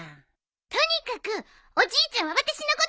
とにかくおじいちゃんは私のことが大好きなの。